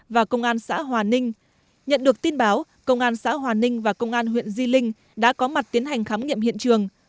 và công an xã hòa ninh nhận được tin báo công an xã hòa ninh và công an huyện di linh đã có mặt tiến hành khám nghiệm hiện trường